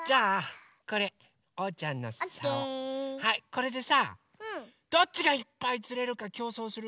これでさどっちがいっぱいつれるかきょうそうする？